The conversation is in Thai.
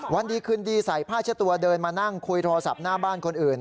วันดีคืนดีใส่ผ้าเช็ดตัวเดินมานั่งคุยโทรศัพท์หน้าบ้านคนอื่น